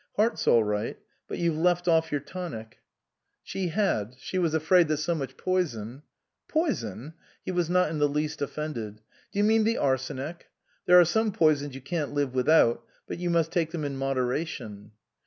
" Heart's all right. But you've left off your tonic." 300 THROUGH THE STETHOSCOPE She had, she was afraid that so much poison " Poison ?" (He was not in the least offended.) "Do you mean the arsenic? There are some poisons you can't live without ; but you must take them in moderation."